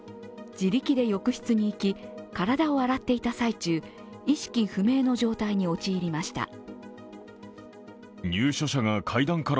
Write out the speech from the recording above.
自力で浴室に行き、体を洗っていた最中意識不明の状態に陥りました。